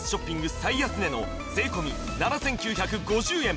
最安値の税込７９５０円